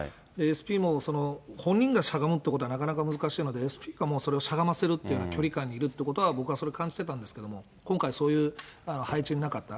ＳＰも、本人がしゃがむっていうのはなかなか難しいので、ＳＰがもうそれをしゃがませるって、距離感にいるということは僕は感じていたんですけれども、今回、そういう配置になかった。